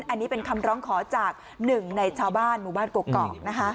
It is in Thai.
อันนี้เป็นคำร้องขอจากหนึ่งในชาวบ้านหมู่บ้านกกอกนะคะ